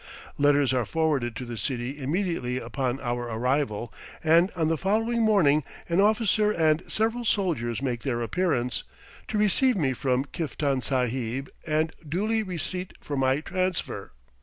Letters are forwarded to the city immediately upon our arrival, and on the following morning an officer and several soldiers make their appearance, to receive me from Kiftan Sahib and duly receipt for my transfer.